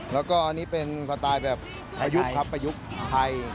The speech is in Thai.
แล้วก็อันนี้เป็นสไตล์แบบประยุกต์ครับประยุกต์ไทย